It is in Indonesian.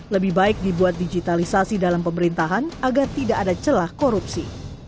lebih baik dibuat digitalisasi dalam pemerintahan agar tidak ada celah korupsi